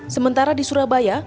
sementara di surabaya